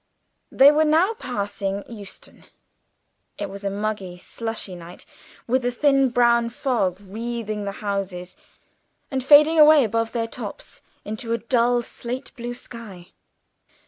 They were now passing Euston. It was a muggy, slushy night, with a thin brown fog wreathing the houses and fading away above their tops into a dull, slate blue sky.